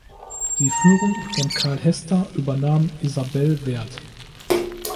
Die Führung von Carl Hester übernahm Isabell Werth.